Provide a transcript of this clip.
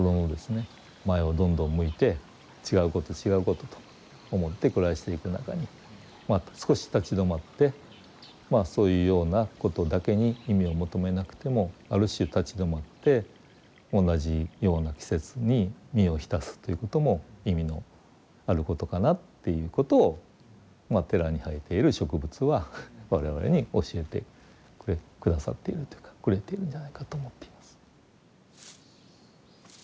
前をどんどん向いて違うこと違うことと思って暮らしていく中に少し立ち止まってそういうようなことだけに意味を求めなくてもある種立ち止まって同じような季節に身を浸すということも意味のあることかなっていうことを寺に生えている植物は我々に教えて下さっているというかくれているんじゃないかと思っています。